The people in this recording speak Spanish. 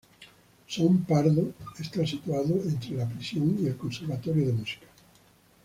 Son Pardo está situado entre la prisión y el conservatorio de música.